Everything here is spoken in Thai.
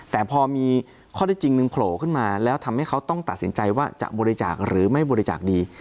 แต่พอมีข้อที่จริงหนึ่งโผล่ขึ้นมาแล้วทำให้เขาต้องตัดสินใจว่าจะบริจาคหรือไม่บริจาคดี